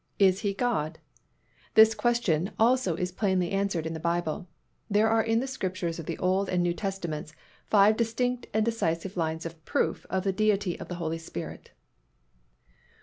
Is He God? This question also is plainly answered in the Bible. There are in the Scriptures of the Old and New Testaments five distinct and decisive lines of proof of the Deity of the Holy Spirit.